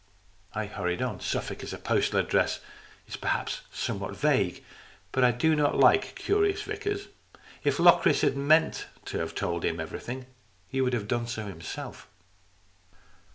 I hurried on. Suffolk as a postal address is perhaps somewhat vague, but I do not like curious vicars. If Locris had meant to have told him everything, he would have done so himself.